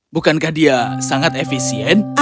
bukankah dia sangat efisien